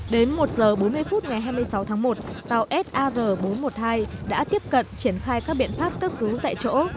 đến một h bốn mươi phút ngày hai mươi sáu tháng một tàu sar bốn trăm một mươi hai đã tiếp cận triển khai các biện pháp cấp cứu tại chỗ